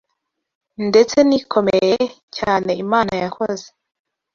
ndetse n’ikomeye cyane Imana yakoze.